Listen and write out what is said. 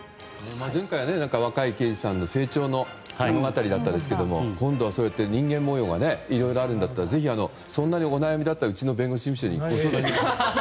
前回は若い刑事さんの成長の物語でしたが今度は人間模様がいろいろあるんだったらぜひ、そんなにお悩みだったらうちの弁護士事務所に。